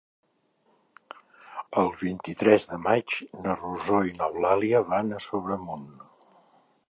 El vint-i-tres de maig na Rosó i n'Eulàlia van a Sobremunt.